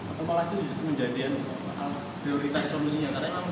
atau malah itu menjadi prioritas solusinya